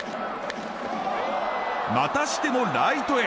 またしてもライトへ。